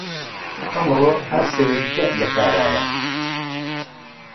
ئەمڕۆ هەر شەویلکە لە کارایە